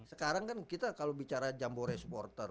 sekarang kan kita kalau bicara jambore supporter